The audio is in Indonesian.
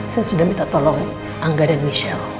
saya sudah minta tolong angga dan michelle